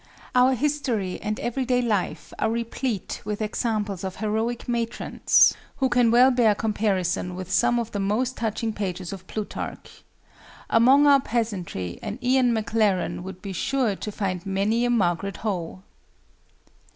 Our history and everyday life are replete with examples of heroic matrons who can well bear comparison with some of the most touching pages of Plutarch. Among our peasantry an Ian Maclaren would be sure to find many a Marget Howe.